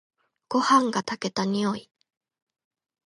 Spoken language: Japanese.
ごはんが炊けた匂い。